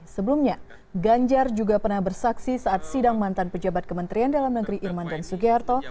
sebelumnya ganjar juga pernah bersaksi saat sidang mantan pejabat kementerian dalam negeri irman dan sugiharto